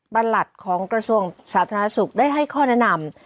ประหลัดของกระทรวงสาธารณสุขได้ให้ข้อแนะนำ